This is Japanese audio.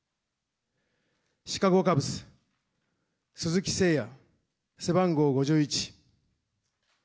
シカゴカブス、鈴木誠也、背番号５１。